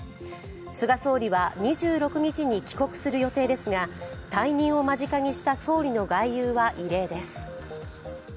菅総理は２６日に帰国する予定ですが、退任を間近にした総理の外遊は異例です。